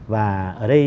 và ở đây